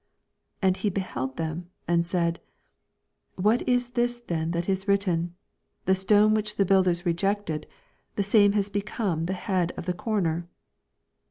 17 And he beheld them, and said, What is this then that is written. The stone which the builders rejectea, the same is become the head of the cor ner?